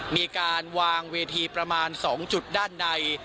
มีการวางเวทีประมาณ๒จุดด้านใน